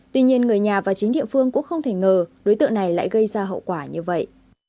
tuy nhiên người nhà và chính địa phương cũng không thể ngờ đối tượng này lại gây ra hậu quả như vậy